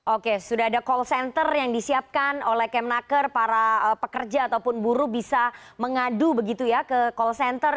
oke sudah ada call center yang disiapkan oleh kemnaker para pekerja ataupun buruh bisa mengadu begitu ya ke call center